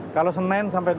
kalau senin sampai dua belas